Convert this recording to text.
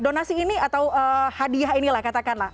donasi ini atau hadiah ini lah katakanlah